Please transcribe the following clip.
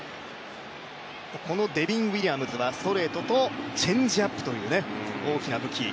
このデビン・ウィリアムズはストレートとチェンジアップという大きな武器。